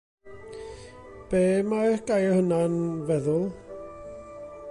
Be' mae'r gair yna 'n feddwl?